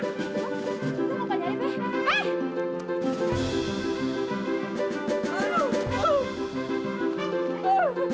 lu mau kacari be